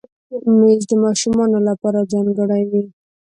مېز د ماشومانو لپاره ځانګړی وي.